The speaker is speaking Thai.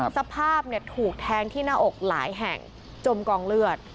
สภาพถูกแทงที่หน้าอกหลายแห่งจมกองเลือด